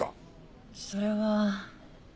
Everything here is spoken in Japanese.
それは。